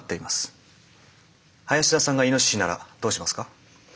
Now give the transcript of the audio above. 林田さんがイノシシならどうしますか？